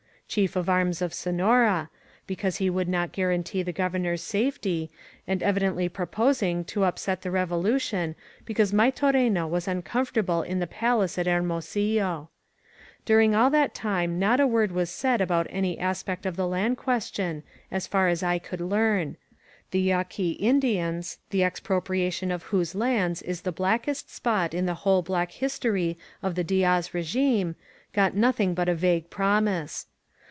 Chief of Arms of Sonora, because he would not guarantee the Governor's safety, and evidently pro posing to upset the Revolution because Maytorena was uncomfortable in the palace at Hermosillo. Dur ing all that time not a word was said about any aspect of the land question, as far as I could learn. The Yaqui Indians, the expropriation of whose lands is the blackest spot in the whole black history of the Diaz regime, got nothing but a vague promise.